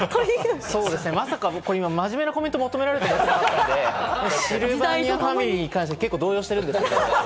まさか今、真面目なコメントを求められると思ってなかったんで、シルバニアファミリーに関して結構動揺してるんですけれども。